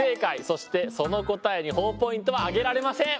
そしてその答えにほぉポイントはあげられません。